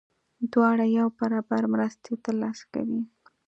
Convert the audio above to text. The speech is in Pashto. دواړه یو برابر مرستې ترلاسه کوي.